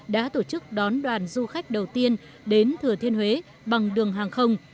đã tổ chức đón đoàn du khách đầu tiên đến thừa thiên huế bằng đường hàng không